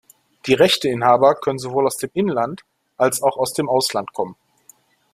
Die Rechteinhaber können sowohl aus dem Inland als auch dem Ausland kommen.